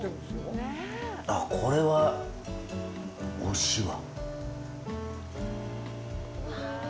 あっ、これはおいしいわ。